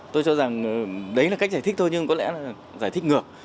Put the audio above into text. tôi cho rằng đấy là cách giải thích thôi nhưng có lẽ là giải thích ngược